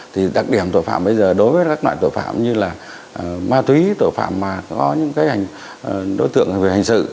thì đặc điểm tội phạm bây giờ đối với các loại tội phạm như là ma túy tội phạm mà có những đối tượng về hành sự